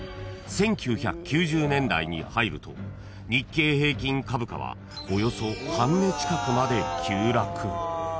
［１９９０年代に入ると日経平均株価はおよそ半値近くまで急落］